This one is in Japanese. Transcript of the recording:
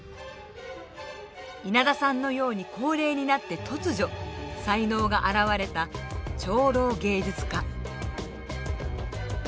稲田さんのように高齢になって突如才能が現れた超老芸術家。